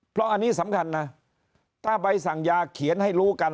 เพราะอันนี้สำคัญนะถ้าใบสั่งยาเขียนให้รู้กัน